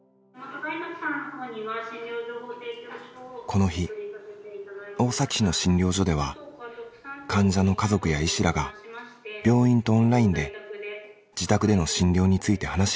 この日大崎市の診療所では患者の家族や医師らが病院とオンラインで自宅での診療について話し合いました。